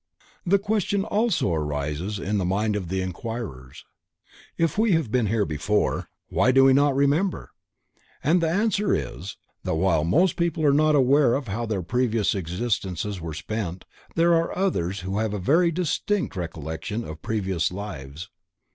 The question also arises in the mind of inquirers: If we have been here before why do we not remember? And the answer is, that while most people are not aware of how their previous existences were spent, there are others who have a very distinct recollection of previous lives.